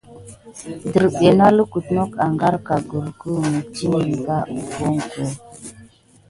Dirɓe nā lukute not ágarka gulku metikine va hofungo.